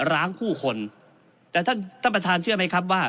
ร้างผู้คนแต่ท่านท่านประธานเชื่อไหมครับว่า